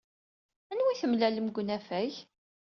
Anwa ay d-temlalem deg unafag?